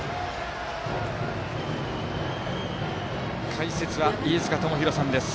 解説は飯塚智広さんです。